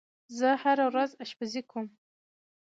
زه هره ورځ آشپزی کوم.